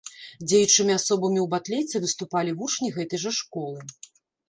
Дзеючымі асобамі ў батлейцы выступалі вучні гэтай жа школы.